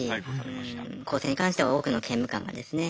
更生に関しては多くの刑務官がですね